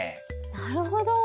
なるほど。